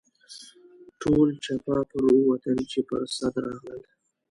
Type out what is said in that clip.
ټول چپه پر ووتل چې پر سد راغلل.